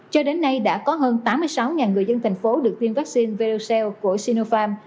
cho đến nay đã có hơn tám mươi sáu người dân thành phố được tiêm vaccine verocell của sinopharm